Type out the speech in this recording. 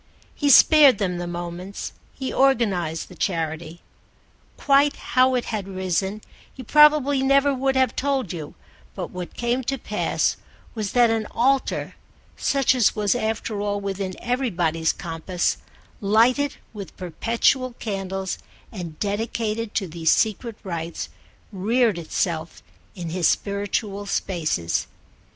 He spared them the moments, he organised the charity. Quite how it had risen he probably never could have told you, but what came to pass was that an altar, such as was after all within everybody's compass, lighted with perpetual candles and dedicated to these secret rites, reared itself in his spiritual spaces.